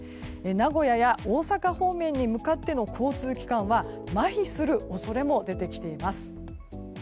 名古屋や大阪方面に向かっての交通機関はまひする恐れも出てきています。